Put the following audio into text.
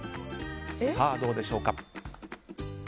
どうでしょうか。